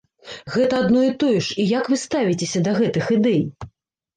Гэта адно і тое ж і як вы ставіцеся да гэтых ідэй?